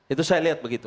itu saya lihat begitu